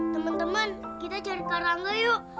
temen temen kita cari karangga yuk